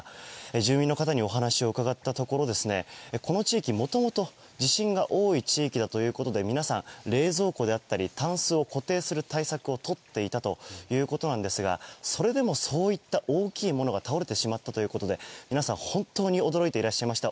住民の方にお話を伺ったところこの地域、もともと地震が多い地域だということで皆さん、冷蔵庫であったりタンスを固定する対策をとっていたということなんですがそれでもそういった大きいものが倒れてしまったということで皆さん、本当に驚いていらっしゃいました。